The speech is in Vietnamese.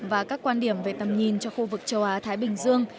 và các quan điểm về tầm nhìn cho khu vực châu á thái bình dương